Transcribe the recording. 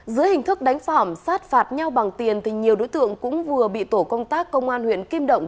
dưới hình thức đánh phạm sát phạt nhau bằng tiền thì nhiều đối tượng cũng vừa bị tổ công tác công an huyện kim động